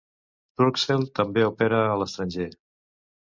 Turkcell també opera a l'estranger.